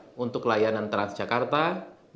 dan rp satu untuk layanan transportasi umum